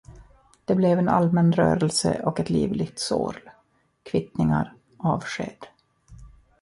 Det blev en allmän rörelse och ett livligt sorl, kvittningar, avsked.